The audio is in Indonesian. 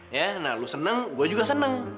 ya nah lo seneng gue juga seneng